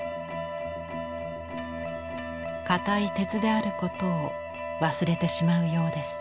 硬い鉄であることを忘れてしまうようです。